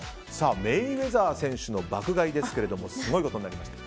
メイウェザー選手の爆買いですけれどもすごいことになりました。